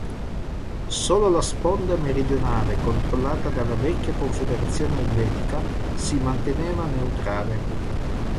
Solo la sponda meridionale controllata dalla Vecchia Confederazione Elvetica si manteneva neutrale.